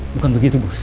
bukan begitu bos